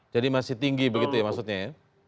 jadi masih tinggi begitu ya maksudnya ya